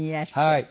はい。